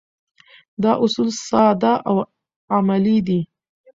دا اصول ساده او عملي دي.